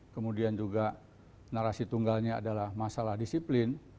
kemudian juga narasi tunggalnya adalah masalah disiplin